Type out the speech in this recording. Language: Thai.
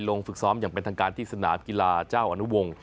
ฝึกซ้อมอย่างเป็นทางการที่สนามกีฬาเจ้าอนุวงศ์